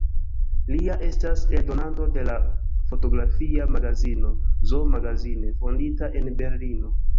Lia estas eldonanto de la fotografia magazino „Zoo Magazine“, fondita en Berlino.